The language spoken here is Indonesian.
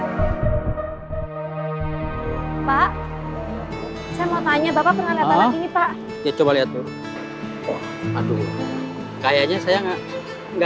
pak saya mau tanya bapak pernah lihat anak ini pak